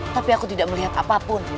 tapi aku tidak melihat apapun